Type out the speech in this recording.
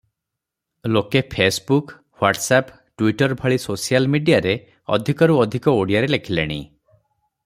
ଲୋକେ Facebook, WhatsApp, Twitter ଭଳି social ମିଡ଼ିଆରେ ଅଧିକରୁ ଅଧିକ ଓଡ଼ିଆରେ ଲେଖିଲେଣି ।